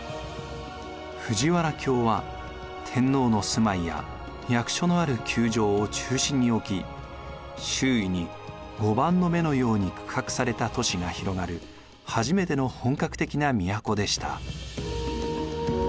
藤原京は天皇の住まいや役所のある宮城を中心に置き周囲に碁盤の目のように区画された都市が広がる初めての本格的な都でした。